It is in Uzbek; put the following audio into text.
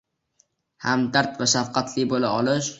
Hamdard va shafqatli bo‘la olish.